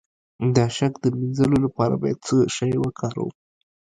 د شک د مینځلو لپاره باید څه شی وکاروم؟